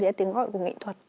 đấy là tiếng gọi của nghệ thuật